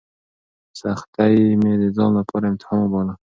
سختۍ مې د ځان لپاره امتحان وباله.